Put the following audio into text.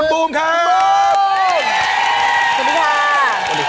สวัสดีครับปรุงครับ